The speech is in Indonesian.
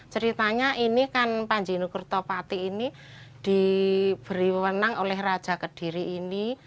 ceritanya ini kan panji nukertopati ini diberi wenang oleh raja kediri ini